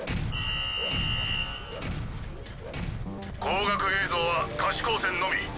光学映像は可視光線のみ。